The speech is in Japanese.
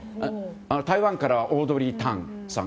台湾からはオードリー・タンさん。